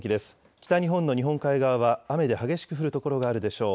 北日本の日本海側は雨で激しく降る所があるでしょう。